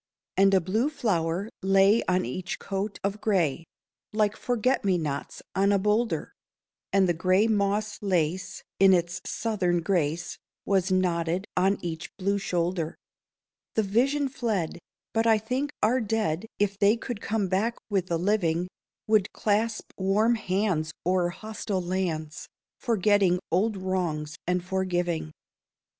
And a blue flower lay on each coat of gray, Like forget me nots on a boulder; And the gray moss lace in its Southern grace Was knotted on each blue shoulder. The vision fled; but I think our dead, If they could come back with the living, Would clasp warm hands o'er hostile lands, Forgetting old wrongs and forgiving.